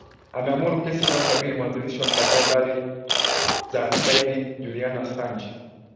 ameamuru kesi inayomkabili mwanzilishi wa mtandao bali za sidi juliana sanj